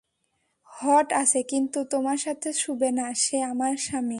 Hot আছে, কিন্তু তোমার সাথে শুবে না, সে আমার স্বামী।